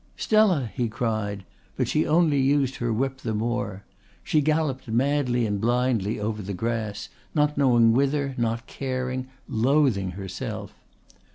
"Stella," he cried, but she only used her whip the more. She galloped madly and blindly over the grass, not knowing whither, not caring, loathing herself.